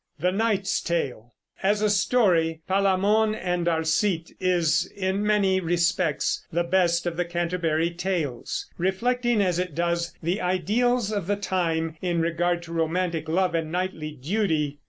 THE KNIGHT'S TALE. As a story, "Palamon and Arcite" is, in many respects, the best of the Canterbury Tales, reflecting as it does the ideals of the time in regard to romantic love and knightly duty.